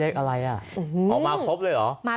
เลขอะไรอ่ะออกมาครบเลยเหรอ